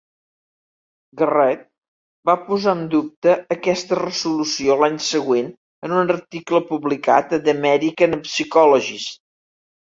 Garrett va posar en dubte aquesta resolució l'any següent en un article publicat a "The American Psychologist".